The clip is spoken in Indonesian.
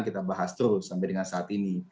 kita bahas terus sampai dengan saat ini